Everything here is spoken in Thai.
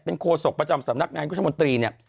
เป็นโครสกประจำสำนักงานคุณชมนตรีเนี่ย